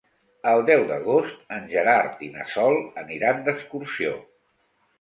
El deu d'agost en Gerard i na Sol aniran d'excursió.